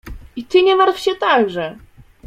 I ty nie martw się także!